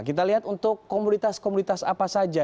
kita lihat untuk komunitas komunitas apa saja